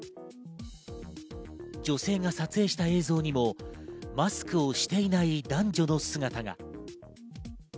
女性が撮影した映像にもマスクをしていない男女の姿が。